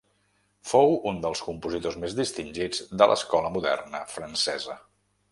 Fou un dels compositors més distingits de l'escola moderna francesa.